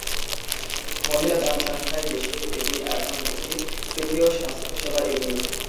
মহিলা জনসংখ্যায় দেশে এটি এখন একটি তৃতীয় স্বাস্থ্যসেবা ইউনিট।